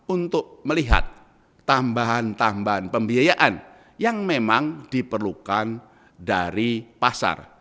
untuk melihat tambahan tambahan pembiayaan yang memang diperlukan dari pasar